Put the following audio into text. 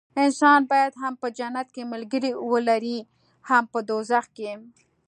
انسان باید هم په جنت کې ملګري ولري هم په دوزخ کې.